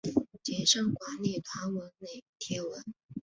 谨慎管理社团内贴文